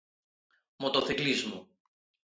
Motociclismo.